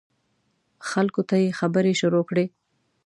خلکو ته یې خبرې شروع کړې.